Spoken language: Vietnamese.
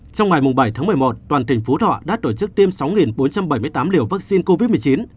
trong ngày bảy tháng một mươi một toàn tỉnh phú thọ đã tổ chức tiêm sáu bốn trăm bảy mươi tám liều vaccine covid một mươi chín